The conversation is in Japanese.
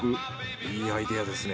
いいアイデアですね。